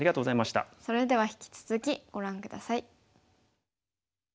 それでは引き続きご覧下さい。